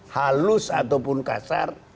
halus ataupun kasar